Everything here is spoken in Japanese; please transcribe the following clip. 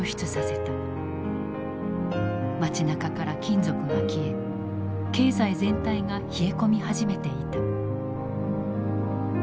街なかから金属が消え経済全体が冷え込み始めていた。